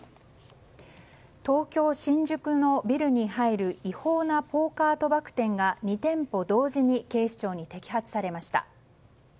東京・新宿のビルに入る違法なポーカー賭博店が２店舗同時に警視庁に摘発されました。